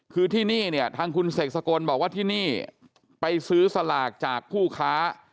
คือที่นี่เนี่ยทางคุณเสกสกลบอกว่าที่นี่ไปซื้อสลากจากผู้ค้า